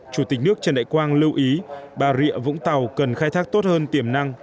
chủ tịch nước trần đại quang lưu ý bà rịa vũng tàu cần khai thác tốt hơn tiềm năng